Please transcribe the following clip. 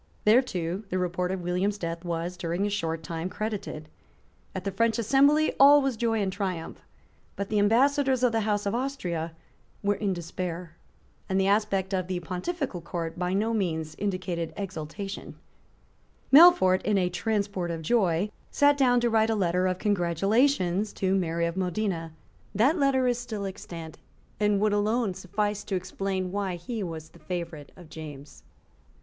There too the report of William's death was, during a short time, credited. At the French embassy all was joy and triumph: but the Ambassadors of the House of Austria were in despair; and the aspect of the Pontifical Court by no means indicated exultation, Melfort, in a transport of joy, sate down to write a letter of congratulation to Mary of Modena. That letter is still extant, and would alone suffice to explain why he was the favourite of James.